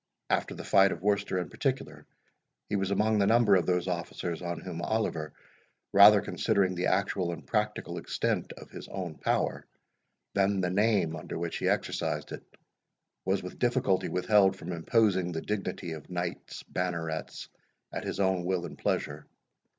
After the fight of Worcester, in particular, he was among the number of those officers on whom Oliver, rather considering the actual and practical extent of his own power, than the name under which he exercised it, was with difficulty withheld from imposing the dignity of Knights Bannerets at his own will and pleasure.